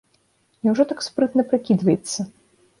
Няўжо так спрытна прыкідваецца?